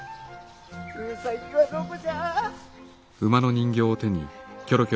うさぎはどこじゃ？